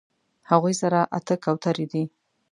هغوی سره اتۀ کوترې دي